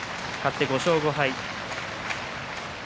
勝って５勝５敗。